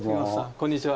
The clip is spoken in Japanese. こんにちは。